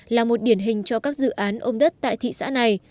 là một điển hình cho các dự án ôm đất tại thị xã này